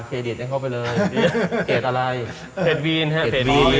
เด็ดให้เขาไปเลยเพจอะไรเพจวีนฮะเพจนี้